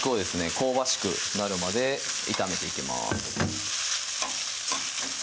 香ばしくなるまで炒めていきます